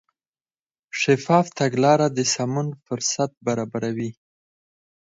شفاف تګلاره د سمون فرصت برابروي.